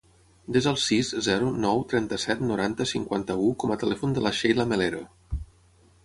Desa el sis, zero, nou, trenta-set, noranta, cinquanta-u com a telèfon de la Sheila Melero.